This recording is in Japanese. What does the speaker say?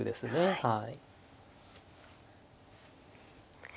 はい。